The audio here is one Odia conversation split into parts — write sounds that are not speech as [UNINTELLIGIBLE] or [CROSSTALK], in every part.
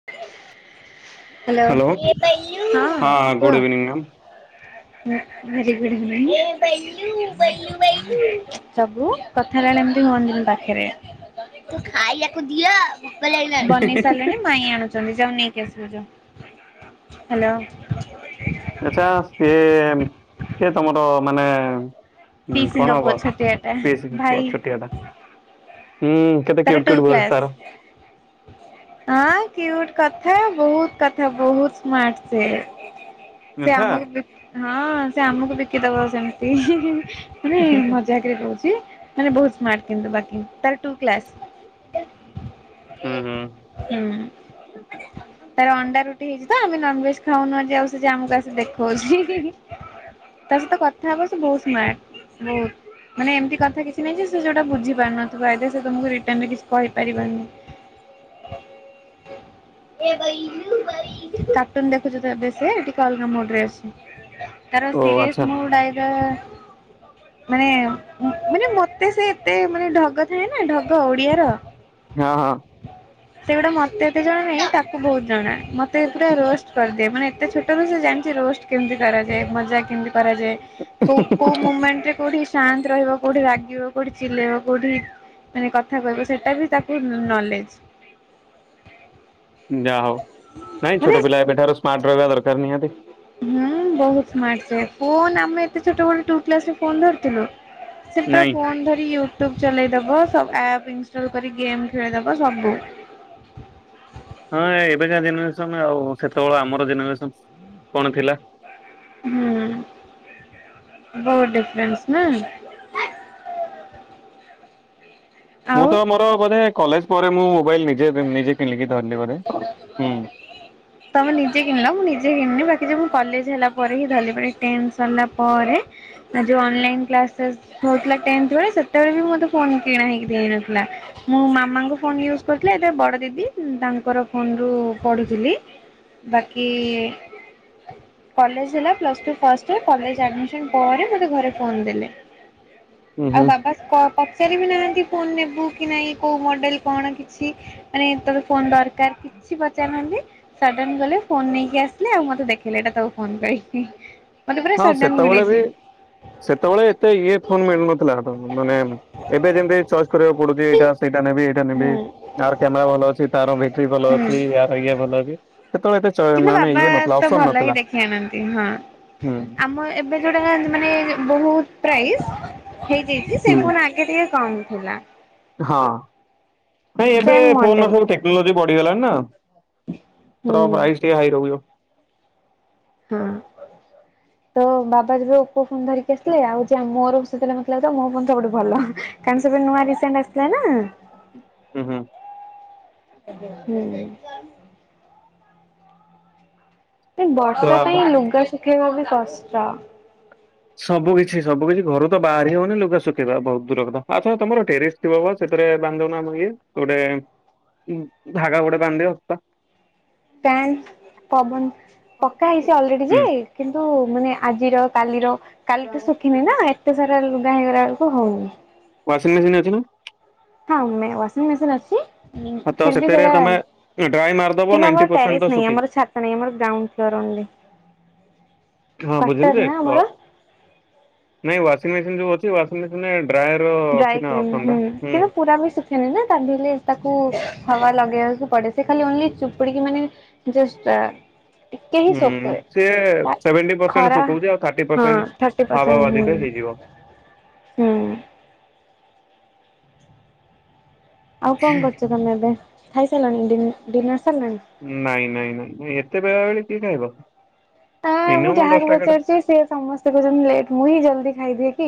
ହ୍ୟାଲୋ ହ୍ୟାଲୋ ହଁ ହଁ ଗୁଡ୍ କୁହ? Evening ma'am. ହୁଁ। ଭେରି ଗୁଡ଼୍ ଇଭିନିଂ ଏ ଵେଲୁ ବୈଲୂ ବୈଲୁ ସବୁ କଥା ହେଳେଳେ ଏମିତି ହୁଅନ୍ତି ପାଖରେ। ତୁ ଖାଇବାକୁ ଦିଅ? ଭୋକ ଲାଗିଲାଣି ବନେଇ ସାରିଲେଣି ମାଇ ଆଣୁଛନ୍ତି ଯାଉ ନେଇକି ଆସିବ ଯାଅ ହାଲୋ। ଆଛା ସିଏ ସେ ତମର ମାନେ ହୁଁ ପିଇସିଙ୍କ କଣ ପୁଅ ହବ ଛୋଟିଆଟା ପିଇସି ପୁଅ ଭାଇ ଛୋଟିଆଟା ହୁଁ। କେତେ ତାର cute too cute voice class. ତାର। ହଁ କ୍ୟୁଟ କଥା ବହୁତ କଥା ବହୁତ ସ୍ମାର୍ଟ ସେ। ସେ ଆଚ୍ଛା ଆମକୁ ବିକି ହଁ ସେ ଆମକୁ ବିକିଦବ ସେମିତି ହିଁ ହିଁ। ହିଁ ମଜାକରେ କହୁଛି ମାନେ ବହୁତ ସ୍ମାର୍ଟ୍ କିନ୍ତୁ ବାକି ତାର ଟୁ କ୍ଲାସ୍। ହୁଁ ହୁଁ ହୁଁ। ତାର ଅଣ୍ଡା ରୁଟି ହେଇଛି ତ ଆମେ ନନଭେଜ ଖାଉନୁ ଆଜି ଆଉ ସେ ଯେ ଆମକୁ ଆସି ଦେଖଉଛି। ତା ସହିତ କଥା ହେବ ସେ ବହୁତ ସ୍ମାର୍ଟ ବହୁତ୍ ମାନେ ଏମିତି କଥା କିଛି ନାଇଁ ଯେ ସେ ଯୋଉଟା ବୁଝି ପାରୁନଥିବ ଆଇଦର ସେ ତମକୁ ରିଟନ୍ ରେ କିଛି କହିପାରିବନି। କାର୍ଟୁନ୍ ଦେଖୁଛ ତ ଏବେ ସିଏ ଟିକେ ଅଲଗା ମୁଡ୍ ରେ ଅଛି। ତାର ଓ ସିରିୟସ୍ ଆଚ୍ଛା। ମୁଡ ଆଇଦର ମାନେ ମାନେ ମତେ ସେ ଏତେ ମାନେ ଢଗତ ଥାଏ ନାଁ ଢଗ ଓଡିଆର ହଁ। ସେଗୁଡା ମତେ ଏତେ ଜଣା ନାହିଁ ତାକୁ ବହୁତ ଜଣା ମତେ ପୁରା ରୋଷ୍ଟ କରିଦିଏ ମାନେ ଏତେ ଛୋଟ୍ ଛୋଟରୁ ସେ ଜାଣିଛି ରୋଷ୍ଟ କେମିତି କରାଯାଏ, ମଜା କେମିତି କରାଯାଏ, କୋଉ କୋଉ ମୁମେଣ୍ଟ ରେ କୋଉଠି ଶାନ୍ତ ରହିବ, କୋଉଠି ରାଗିବ, କୋଉଠି ଚିଲେଇବ, କୋଉଠି ମାନେ କଥା କହିବ ସେଟା ବି ତାକୁ ନଲେଜ୍। ଯାହା ହଉ ନାଇଁ ମାନେ ଛୋଟ ପିଲା ଏବେଠାରୁ ସ୍ମାର୍ଟ ରହିବା ଦରକାର୍ ନିହାତି। ହୁଁ ବହୁତ ସ୍ମାର୍ଟ ସେ ଫୋନ୍ ଆମେ ଏତେ ଛୋଟବେଳୁ ଟୁ କ୍ଲାସ୍ ରେ ଫୋନ୍ ଧରିଥିଲୁ। ସେ ପୁରା ନାଇଁ ଫୋନ ଧରିକି ୟୁଟ୍ୟୁବ ଚଲେଇଦବ ସବ ଆପ୍ ଇନଷ୍ଟଲ କରି ଗେମ୍ ଖେଳିଦବ ସବୁ। ହଁ ଏବେକା ଜେନେରେସନ୍ ଆଉ ସେତେବେଳେ ଆମର ଜେନେରେସନ୍ କଣ ଥିଲା? ହୁଁ ବହୁତ ଡିଫରେନ୍ସ ନା। ମୁଁ ଆଉ ତ ମୋର ବୋଧେ କଲେଜ ପରେ ମୁଁ ମୋବାଇଲ୍ ନିଜେ କିଣ ନିଜେ କିଣିକି ଧରିଲି ବୋଧେ ହୁଁ। ତମେ ନିଜେ କିଣିଲ ମୁଁ ନିଜେ କିଣିନି ବାକି ଯେ ମୁଁ କଲେଜ ହେଲା ପରେ ହିଁ ଧରିଲି ଟେନ୍ଥ ସରିଲା ପରେ। ଆଉ ଯୋଉ ଅନଲାଇନ୍ କ୍ଲାସ ଫ୍ଲାସ ହଉଥିଲା ଟେନ୍ଥ ବେଳେ ସେତେବେଳେ ବି ମୋତେ ଫୋନ୍ କିଣା ହେଇକି ଦିଆ ହେଇନଥିଲା। ମୁଁ ମାମା ଙ୍କ ଫୋନ୍ ୟୁଜ କରୁଥିଲି ଆଇଦର ବଡ ଦିଦି ଉଁ ତାଙ୍କର ଫୋନ୍ ରୁ ପଢ଼ୁଥିଲି ବାକି ଇ କଲେଜ ହେଲା plus two first year college admission ପରେ ମତେ ଘରେ ଫୋନ୍ ଦେଲେ। ହୁଁ ଆଉ ବାବା ପ ପଚାରିବି ନାହାନ୍ତି ଫୋନ୍ ନେବୁ କି ନାଇଁ କୋଉ ମଡେ଼ଲ କଣ କିଛି ମାନେ ତୋର ଫୋନ୍ ଦରକାର କିଛି ପଚାରୁନାହାନ୍ତି। ସଡନ୍ ଗଲେ ଫୋନ ନେଇକି ଆସିଲେ ଆଉ ମତେ ଦେଖେଇଲେ ଏଇଟା ତୋ ଫୋନ୍ କହି। ହଁ ସେତେବେଳେ ବି ସେତେବେଳେ ଏତେ ଇଏ ଫୋନ୍ ମିଳୁନଥିଲା ସେତେବେଳେ ମାନେ ଏବେ ଯେମିତି ଚଏସ୍ କରିବାକୁ ପଡୁଛି ଏଇଟା ସେଇଟା ନେବି ଏଇଟା ନେବି ହୁଁ ୟାର କ୍ୟାମେରା ଭଲ ଅଛି। ତାର ବ୍ୟାଟେରୀ ଭଲ ହୁଁ ଅଛି ୟାର ଇଏ ଭଲ ଅଛି ସେତେବେଳେ ଏତେ ଚଏ ମାନେ ଇଏ ନଥିଲା ଅପସନ୍ ନଥିଲା। କିଣନ୍ତି ହଁ। ହୁଁ। ଆମ ଏବେ ଯୋଉଟା ମାନେ ବହୁତ ପ୍ରାଇଜ ହେଇଯାଇଛି ସେ ହୁଁ। ଫୋନ ଆ ଗେ ଟିକେ ଟିକେ କମ୍ ଥିଲା। ହଁ ନାଇଁ ଏବେ ସେମ୍ ଫୋନ୍ ର ମଡେଲ ସବୁ ଟେକ୍ନୋଲୋଜି ବଢିଗଲାଣି ନା। ହୁଁ ତ୍ର ପ୍ରାଇସ ଟିକେ ହାଇ ରହୁବ। ହଁ, ତ ମୋ ବାବା ଯେବେ ଓପୋ ଫୋନ୍ ଧରିକି ଆସିଲେ ଆଉ ଯେ ମୋର ସେତବେଳେ ନଥିଲା ତ ମୋ ଫୋନ୍ ସବୁଠୁ ଭଲ। କାରଣ ସେବେ ନୂଆ ରିସେଣ୍ଟ ଆସିଥିଲା ନା। ଉଁ ହୁଁ। ହୁଁ। ଏ ତ ବର୍ଷା ଆମ ପାଇଁ ଲୁଗା ଶୁଖେଇବା ବି କଷ୍ଟ। ସବୁ କିଛି ସବୁ କିଛି ଘରୁ ତ ବାହାରି ହଉନି ଲୁଗା ଶୁଖେଇବା ବହୁତ ଦୂର କଥା, ଆଛ ତମର ଟେରିସ ଥିବ ସେଥିରେ ବାନ୍ଧି ଦଉନ ଇଏ ଗୋଟେ ଧାଗା ଗୋଟେ ବାନ୍ଧଦିଅ। ପ୍ୟାନ୍ ପବନ ପକ୍କା ହେଇଛି ଅଲରେଡି ଯେ ହୁଁ କିନ୍ତୁ ମାନେ ଆଜିର କାଲିର କାଲି ଠୁ ଶୁଖିନି ନା ଏତ୍ ତେ ସାରା ଲୁଗା ହେଇଗଲା ବେଳକୁ ହଉନି। ୱାସିଂମେସିନ୍ ଅଛି ନା? ହଁ ୱାସିଂମେସିନ୍ ଅଛି। ହଁ ତ ଫିର୍ବି ସେଥିରେ ସେରା ତମେ ଡ୍ରାଏ ମାରିଦବ କିନ୍ତୁ ନାଇଣ୍ଟି ଆମର ପରସେଣ୍ଟ ତ ଟାରିସ ନାଇ ଶୁଖି ଆମର ଛା ମାନେ ଇଏ ମୋର [UNINTELLIGIBLE] ହଁ ବୁଝିଲି ଯେ, ନା ଆମର। ନାଇଁ ୱାସିଂମେସିନ ଯୋଉ ଅଛି, ୱାସିଂମେସିନ ଡ୍ରାଏର ଅଛି ଡ୍ରାଏ ନା କ୍ଲିନ ଅପସନ ହୁଁ, ଟା କିନ୍ତୁ ପୁରା ବି ଶୁ [UNINTELLIGIBLE] ତାକୁ ହାୱା ଲଗେଇବାକୁ ପଡ଼େ, ସେ ଖାଲି ଓନ୍ଲି ଚୁପୁଡ଼ିକି ମାନେ ଯୋସ୍ ଟା ଟିକେ ହିଁ ହୁଁ ଶୋକ୍ କରେ ସିଏ ତା ସେଭେଣ୍ଟି ପରସେଣ୍ଟ ଖରା ଶୁଖଉଛି ଆଉ ଥାର୍ଟି ହଁ ପରସେଣ୍ଟ ଥାର୍ଟି ହାବା ପର୍ସେଣ୍ଟ ବାଜିରେ ହେଇଯିବ ହୁଁ। ହୁଁ। ଆଉ କଣ କରୁଛ ତମେ ଏବେ ଖାଇ ସାରିଲଣି ଡିନ ଡିନର ସରିଲାଣି? ନାଇଁ ନାଇଁ ନାଇଁ ଏତେ ବେଳାବେଳି କିଏ ଖାଇବ। ତ ମୁଁ ମିନିମମ୍ ଯାହାକୁ ଦଶଟା ପଚାରୁଛି ସିଏ ସମସ୍ତେ କହୁଛନ୍ତି ଲେଟ୍ ମୁଁ ହିଁ ଜଲ୍ଦି ଖାଇ ଦିଏ କି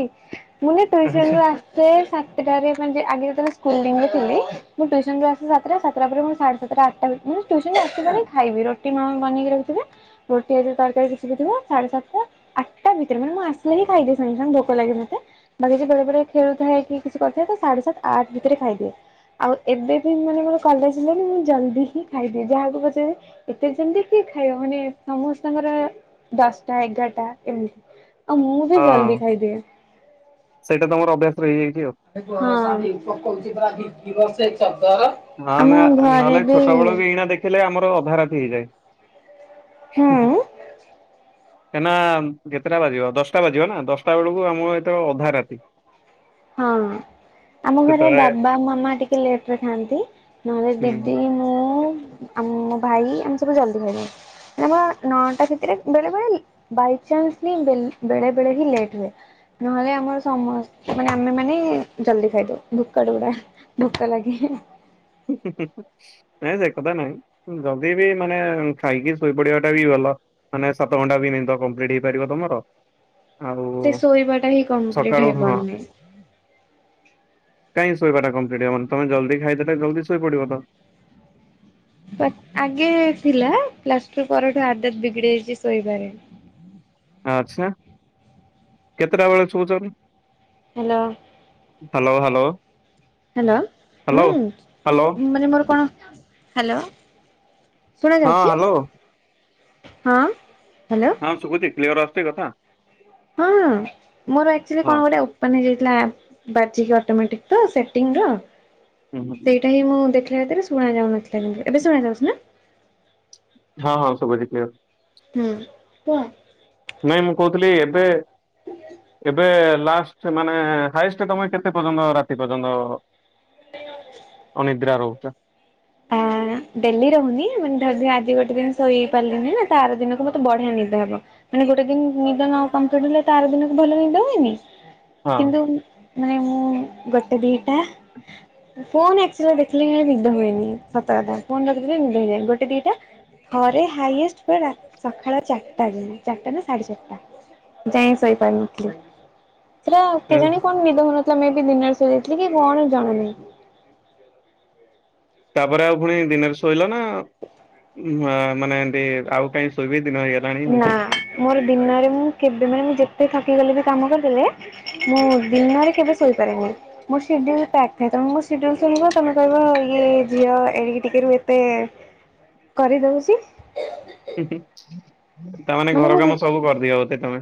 ମୁଁ ବା ଟୁସନ୍ ଏଗାରଟା ରୁ ଆ ସେ ସାତଟାରେ କଣ ଯେ ଆଗେ ଯେତେବେଳେ ସ୍କୁଲରେ ମୁଁ ଯାଉଥିଲି ମୁଁ ଟ୍ୟୁସନ୍ ରୁ ଆସିବି ସାତଟାରେ ସାତଟା ପରେ ମୁଁ ସାଢେ ସାତଟା ଆଠଟା ଭିତରେ ମୁଁ ଟ୍ୟୁସନ୍ ରୁ ଆସିବି ମାନେ ଖାଇବି ରୁଟି ମା ବନେଇକି ରଖିଥିବେ ପିଆଜି ତରକାରୀ କିଛି ହେଇଥିବ ସାଢେ ସାତଟା ଆଠଟା ଭିତରେ ମାନେ ମୁଁ ଆସିଲେ ବି ଖାଇଦିଏ ସାଙ୍ଗେ ସାଙ୍ଗେ ଭୋକ ଲାଗେ ମତେ। ବେଳେ ବେଳେ ଖେଳୁଥାଏ କି କିଛି କରୁଥାଏ କି ସାଢେ ସାତ ଆଠ ଭିତରେ ଖାଇଦିଏ। ଆଉ ଏବେ ବି ମାନେ ମୋର କଲେଜ୍ ହେଲାଣି ମୁଁ ଜଲଦି ହିଁ ଖାଇଦିଏ ଯାହାକୁ ପଚାରିବ ଏତେ ଜଲ୍ଦି କିଏ ଖାଇବ ମାନେ ସମସ୍ତଙ୍କର ଦଶଟା ଏଗାରଟା ଏମିତି ଆଉ ମୁଁ ବି ହଁ ଜଲ୍ଦି ଖାଇଦିଏ। ସେଇଟା ତମର ଅଭ୍ୟାସ ରହିଯାଇଛି ଆଉ। ହଁ [UNINTELLIGIBLE] ନାଁ ନାଁ ଘରେ ନହେଲେ ବି ଛୋଟ ବେଳେ ମୁଁ ବି ନାଦିକି ହେଲେ ଆମର ଅଧରାତି ହେଇଯାଏ। ହୁଁ। ଏଇନା ଯେତେଟା ବାଜିବ ଦଶଟା ବାଜିବ ନା ଦଶଟା ବେଳକୁ ଆମର ହେଇଥିବ ଅଧାରାତି। ହଁ ଆମ ଘରେ ସେତେବେଳେ ବାବା ମାମା ଟିକେ ଲେଟ୍ ରେ ଖାଆନ୍ତି ନହେଲେ ଦିଦି ଆଉ ମୁଁ ଆମ ଭାଇ ଆମେ ସବୁ ଜଲ୍ଦି ଖାଇଦଉ। ମାମା ନଅଟା ଭିତରେ ବେଳେ ବେଳେ ବାଇଚାନ୍ସଲି ବେଲ ବେଳେ ବେଳେ ହିଁ ଲେଟ୍ ହୁଏ ନହେଲେ ଆମର ସମସ୍ ମାନେ ଆମେମାନେ ଜଲ୍ଦି ଖାଇଦଉ ଭୋକାଳୁ ଗୁଡା ଭୋକ ଲାଗେ। [UNINTELLIGIBLE] ନାଇଁ ସେ କଥା ନାଇଁ ଜଲ୍ଦି ବି ମାନେ ଖାଇକି ଶୋଇପଡିବାଟା ବି ଭଲ। ମାନେ ସାତଘଣ୍ଟା ବିି ନିଦ କମ୍ପ୍ଲିଟ୍ ହେଇପାରିବ ତମର। ଆଉ ସେ ଶୋଇବାଟା ହିଁ କମ୍ପ୍ଲିଟ ସକାଳୁ ହଁ। ହେବନି। କାଇଁ ଶୋଇବା ଟା କମ୍ପ୍ଲିଟ୍ ହବନି ତମେ ଜଲ୍ଦି ଖାଇଦେଲେ ଜଲ୍ଦି ଶୋଇପଡିବ ତ। ତ ଆଗେ ଥିଲା ପ୍ଲସ୍ ଟୁ ପରଠୁ ଆଦତ ବିଗିଡି ଯାଇଛି ଶୋଇବାରେ। ଆଛା କେତେଟା ବେଳେ ଶୋଉଛନ୍ତି? ହାଲୋ। Hello hello. ହାଲୋ ହୁଁ ହ୍ୟାଲୋ ମାନେ ମୋର କଣ ହାଲୋ। ହଁ ଶୁଣାଯାଉଛି ହ୍ୟାଲୋ ହଁ ହାଲୋ। ହଁ ଶୁଭୁଛି କ୍ଲିୟର ଆସୁଛି କଥା? ହଁ ମୋର ଆକ୍ଚୁଲି ହଁ କଣ ଗୋଟେ ବନି ଯାଇଥିଲା ବାଜି କି ଅଟୋମେଟିକ ତ ସେଟିଂ ର ହୁଁ ହୁଁ। ସେଇଟା ହିଁ ମୁଁ ଦେଖିଲା ଭିତରେ ଶୁଣା ଯାଉନଥିଲା କିନ୍ତୁ ଏବେ ଶୁଣା ଯାଉଛି ନା? ହଁ ହଁ ଶୁଭୁଛି କ୍ଲିୟର। ହୁଁ ତ ନାଇଁ ମୁଁ କହୁଥିଲି ଏବେ ଏବେ ଲାଷ୍ଟ ସେ ମାନେ ହାଏଷ୍ଟ ତମେ କେତେ ପର୍ଯ୍ୟନ୍ତ ରାତି ପର୍ଯ୍ୟନ୍ତ [INAUDIBLE] ଅନିଦ୍ରା ରହୁଛ? ଆ ଡେଲି ରହୁନି ମାନେ ଧରିନିଅ ଆଜି ଗୋଟେ ଦିନ ଶୋଇ ପାରିଲିନି ନା ତାର ଦିନକୁ ମତେ ବଢିଆ ନିଦହବ। ମାନେ ଗୋଟେ ଦିନ ନିଦ ନ କମ୍ପ୍ଲିଟ ହେଲେ ତା ଆର ଦିନକୁ ଭଲ ନିଦ ହୁଏନି। ହଁ କିନ୍ତୁ ମାନେ ମୁଁ ଗୋଟେ ଦିଟା ଫୋନ ଆକ୍ଚୁଆଲି ଦେଖିଲେ ହିଁ ନିଦ ହୁଏନି। ସତ କଥା ଫୋନ ରଖିଦେଲେ ନିଦ ହେଇଯାଏ, ଗୋଟେ ଦିଟା ଥରେ ହାଇଏଷ୍ଟ ପୁରା ସକାଳ ଚାରିଟା ଯାଏ ଚାରିଟାରୁ ସାଢ଼େ ଚାରିଟା। ଯାଏଁ ଶୋଇପାରୁନଥିଲି। ସେଟା କେଜାଣି କଣ ନିଦ ହଉନଥିଲା ମେଁ ବି ଦିନରେ ଶୋଇ ଯାଇଥିଲି କି କଣ ଜଣାନାହିଁ। ତାପରେ ଆଉ ଫୁଣି ଦିନରେ ଶୋଇଲ ନା ମାନେ [UNINTELLIGIBLE] ଆଉ କାଇଁ ଶୋଇବି ଦିନ ହେଇଗଲାଣି। ନା ମୋର ଦିନରେ ମୁଁ କେବେ ମାନେ ମୁଁ ଯେତେ ଥକିଗଲେ କି କାମ କରିଦେଲେ ମୁଁ ଦିନରେ କେବେ ଶୋଇପାରେନି। ମୋର ସେଡ୍ୟୁଲ୍ ପ୍ୟାକ୍ ଥାଏ ତମେ ମୋ ସେଡ୍ୟୁଲ୍ ଶୁଣିବ ତମେ କହିବ ଇଏ ଝିଅ ଏଡିକି ଟିକେରୁ ଏତେ କରିଦଉଚି। ହିଁ ହିଁ ତାମାନେ ମାନେ ଘର ମୁଁ କାମ ସବୁ କରିଦିଅ ବୋଧେ ତମେ?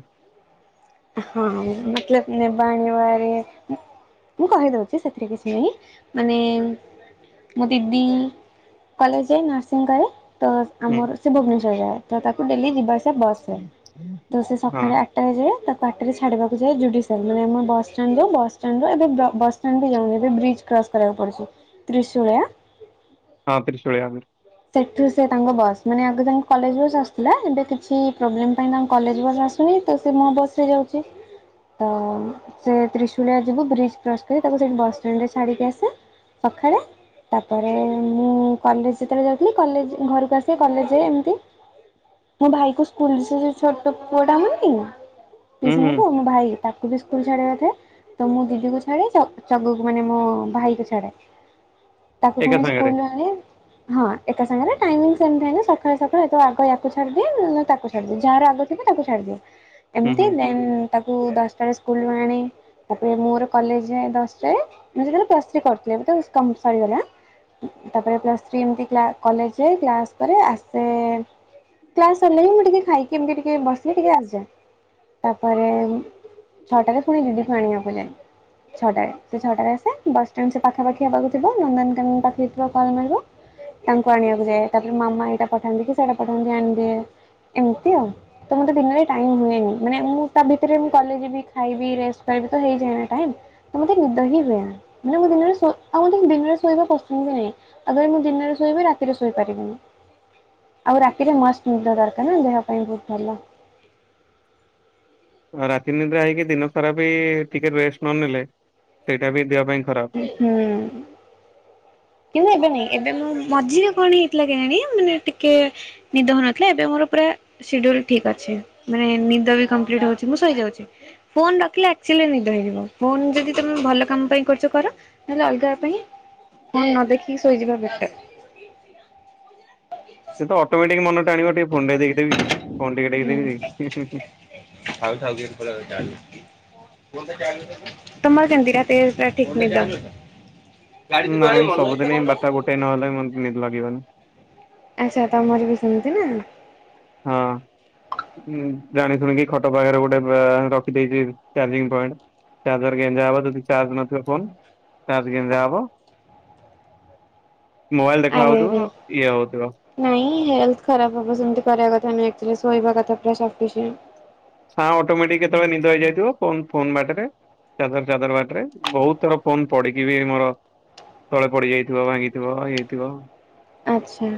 ହଁ ମତଲବ୍ ନେବା ଆଣିବାରେ ମୁଁ କହିଦଉଛି ସେଥିରେ କିଛି ନାହିଁ ମାନେ ମୋ ଦିଦି କଲେଜ୍ ଯାଏ ନର୍ସିଂ କରେ। ତ ହୁଁ ଆମର ସେ ଭୁବନେଶ୍ଵର ଯାଏ, ତ ତାକୁ ଡେଲି ଯିବାଆସିଆ ବସ୍ ରେ ତ ସେ ହଁ ସକାଳେ ଆ ଟାରେ ଯାଏ। ତ ବାଟରେ ଛାଡିବାକୁ ଯାଏ ଜୁଡିସିଆଲ୍ ମାନେ ଆମର ବସ୍ ଷ୍ଟାଣ୍ଡ ଯାଏ, ଏବେ ବସ୍ ଷ୍ଟାଣ୍ଡ ରୁ ଏବେ ବସ୍ ଷ୍ଟାଣ୍ଡ ବି ଯାଉନି ଏବେ ବ୍ରିଜ୍ କ୍ରସ୍ କରିବାକୁ ପଡ଼ୁଛି ତ୍ରିଶୂଳିଆ। ହଁ ତ୍ରିଶୂଳିଆ। ସେଠୁ ସେ ତାଙ୍କ ବସ୍ ମାନେ ଆଗ ତାଙ୍କ କଲେଜ୍ ବସ୍ ଆସୁଥିଲା, ଏବେ କିଛି ପ୍ରୋବ୍ଲେମ ପାଇଁ ତାଙ୍କ କଲେଜ୍ ବସ୍ ଆସ୍ ସୁନି ତ ସେ ମୋ ବସ୍ ରେ ଯାଉଚି। ତ ସେ ତ୍ରିଶୁଳିଆ ଯିବୁ ବ୍ରିଜ୍ କ୍ରସ୍ କରି ତାକୁ ସେଇଠି ବସଷ୍ଟାଣ୍ଡ୍ ରେ ଛାଡ଼ିକି ଆସେ। ସଖାଳେ ତାପରେ ମୁଁ କଲେଜ୍ ଯେତେବେଳେ ଯାଉ ଥିଲି କଲେଜ୍ ଘରକୁ ଆସି କଲେଜ୍ ଯାଏ ଏମିତି। ମୋ ଭାଇ କୁ ସ୍କୁଲ ସେ ଛୋଟ ପୁଅ ଟା ଆମର ନାଇଁ ପିଇସିଙ୍କ ହୁଁ ପୁଅ ମୋ ଭାଇ। ତାକୁ ବି ସ୍କୁଲ ଛାଡିବାର ଥାଏ, ତ ମୁଁ ଦିଦିକୁ ଛାଡେ ଚ ଚଗୁକୁ ମାନେ ମୋ ଭାଇ କୁ ଛାଡେ। ତାକୁ ଏକା ଫୁଣି ସାଙ୍ଗରେ ସ୍କୁଲରୁ ଆଣେ ହଁ। ଏକା ସାଙ୍ଗେରେ ଟାଇମିଙ୍ଗ ସେମିତି ହଏନି ସଖାଳେ ସଖାଳେ ତ ଆଗ ୟାକୁ ଛଡ଼ିିଦିଏ। ନହେଲେ ତାକୁ ଛଡ଼ିଦିଏ ଯାହାର ଆଗ ଥିବ ତାକୁ ଛାଡିଦିଏ। ହୁଁ ଏମତି ହୁଁ ଦେନ୍ ତାକୁ ଦଶଟାରେ ସ୍କୁଲ୍ ରୁ ଆଣେ। ତାପରେ ମୋର କଲେଜ୍ ଯାଏ ଦଶଟାରେ ମୁଁ ଯେତେବେଳେ ପ୍ଲସ ଥ୍ରି କରୁଥିଲି, ଏବେ ତ ଉସକମ ସରିଗଲା। ତାପରେ ପ୍ଲସ୍ ଥ୍ରୀ ଏମତି କ୍ଲା କଲେଜ୍ ଯାଏ କ୍ଲାସ୍ କରେ ଆସେ କ୍ଲାସ୍ ସରିଲେ ମୁଁ ଟିକେ ଖାଇକି ଏମତି ଟିକେ ବସିକି ଟିକେ ଆସିଯାଏ। ତାପରେ ଛଅଟାରେ ପୁଣି ଦିଦିକୁ ଆଣିବାକୁ ଯାଏ। ଛଅଟାରେ ସେ ଛଅଟାରେ ଆସେ ବସଷ୍ଟାଣ୍ଡ୍ ସେ ପାଖାପଖି ହେବାକୁ ଥିବ, ନନ୍ଦନକାନନ୍ ପାଖରେ ଥିବ କଲ୍ ମାରିବ। ତାଙ୍କୁ ଆଣିବାକୁ ଯାଏ ତାପରେ ମାମା ଏଇଟା ପଠାନ୍ତି କି ସେଇଟା ପଠାନ୍ତି ଆଣିଦିଏ ଏମତି ଆଉ। ତ ମତେ ଦିନରେ ଟାଇମ ହୁଏନି, ମାନେ ମୁଁ ତା ଭିତରେ ମୁଁ କଲେଜ୍ ଯିବି, ଖାଇବି, ରେଷ୍ଟ କରିବି, ତ ହେଇଯାଏନା ଟାଇମ୍। ତ ମତେ ନିଦ ହି ହୁଏନି ମାନେ ମୁଁ ଦିନରେ ଶୋଇ ଆଉ ମତେ ଦିନରେ ଶୋଇବା ପସନ୍ଦ ବି ନାଇଁ। ଆଗରେ ମୁଁ ଦିନରେ ଶୋଇବି ରାତିରେ ଶୋଇପାରିବିନି, ଆଉ ରାତିରେ ମସ୍ତନିଦ ଦରକାର୍ ନା ଦେହ ପାଇଁ ବହୁତ୍ ଭଲ। ଆଉ ରାତି ଅନିଦ୍ରା ହେଇକି ଦିନ ସାରା ବି ଟିକେ ରେଷ୍ଟ ନନେଲେ ସେଇଟା ବି ଦେହ ପାଇଁ ଖରାପ୍। ଉଁ ହୁଁ। କିନ୍ତୁ ଏବେ ନାଇଁ ଏବେ ମୁଁ ମଝିରେ କଣ ହେଇଥିଲା କେଆଣି ମାନେ ଟିକେ ନିଦ ଭାଙ୍ଖେଲ୍ ଏବେ ମୋର ପୁରା ସିଡ୍ୟୁଲ୍ ଠିକ୍ ଅଛି ମାନେ ନିଦ ବି କମ୍ପ୍ଲିଟ ହଉଛି ମୁଁ ଶୋଇଯାଉଛି। ଫୋନ ରଖିଲେ ଆକ୍ଚୁଆଲି ନିଦ ହେଇଯିବ ଫୋନ ଯଦି ତମେ ଭଲ କାମ ପାଇଁ କରୁଛ କର ନହେଲେ ଅଲଗା ପାଇଁ ଫୋନ୍ ନ ଦେଖିକି ଶୋଇଯିବା ବେଟର। ସେ ତ ଅଟୋମେଟିକ ମନ ଟାଣିବ ଟିକେ ଫୋନ ଟିକେ ଟେଖିଦେବି କି ଫୋନ ଟିକେ ଦେଖିଦେବି କି। ଥାଉ ଥାଉ [UNINTELLIGIBLE] ତମର କେମତି ରାତି ରେ ପୁରା ଠିକ ନିଦ ନାଇଁ ସବୁଦିନ ହି ବାରଟା ଗୋଟେ ନହଲେ ମତେ ନିଦ୍ ଲାଗିବନି। ଆଛା ତମର ବି ସେମିତି ନା? ହଁ। ହୁଁ ଜାଣି ଶୁଣିକି ଖଟ ପାଖରେ ଗୋଟେ ପା ରଖିଦେଇଛି ଚାର୍ଜିଂ ପଏଣ୍ଟ। ଚାର୍ଜର ଗେଞ୍ଜା ହବ ଯଦି ଚାର୍ଜ ନଥିବ ଫୋନ ଚାର୍ଜ ଗେଞ୍ଜା ହବ। [INAUDIBLE] ମୋବାଇଲ ଦେଖା ଆରେ ଆରେ। ହଉଥିବ ଇଏ ହଉଥିବ। ନାଇଁ ହେଲଥ ଖରାପ ହବ ସେମିତି କରିବା କଥା ନୁଏ ରାତିରେ ଶୋଇବା କଥା ପୁରା ସଫିସିଏଣ୍ଟ। ଛାଁ ଅଟୋମେଟିକ କେତେବେଳେ ନିଦ ହେଇଯାଇଥିବ ଫୋନ ଫୋନ୍ ବାଟରେ। ଚାଦର ଚାଦର ବାଟରେ ବହୁତ ଥର ଫୋନ୍ ପଡିକି ବି ମୋର ତଳେ ପଡିଯାଇଥିବ ଭାଙ୍ଗିଥିବ ଇଏ ହେଇଥିବ। ଆଚ୍ଛା।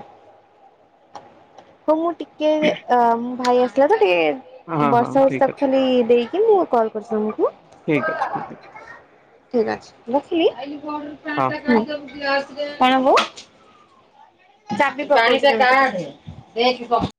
ହଉ ମୁଁ ଟିକେ ଅ ମୋ ଭାଇ ଆସିଲା ତ ଟିକେ ହଁ ହଁ ବର୍ଷା ହୋଉଚି ଠିକ ତାକୁ ଅଛି ଖାଲି ଦେଇ କି ମୁଁ କଲ୍ କରୁଚି ତମକୁ। ଠିକ ଅଛି ଠିକ ଅଛି ହଁ। [UNINTELLIGIBLE] କଣ ବୋ [UNINTELLIGIBLE]